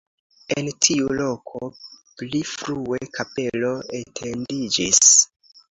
En tiu loko pli frue kapelo etendiĝis.